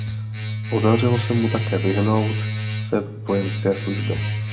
Podařilo se mu také vyhnout se vojenské službě.